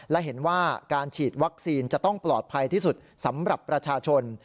และเห็นว่าการฉีดวัคซีนจะต้องปลอดภัยที่สุดสำหรับประชาชน